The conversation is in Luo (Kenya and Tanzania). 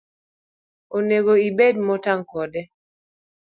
Onego ibed ma otang' kode